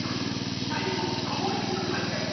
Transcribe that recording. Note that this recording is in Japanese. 死体には家紋入りの懐剣。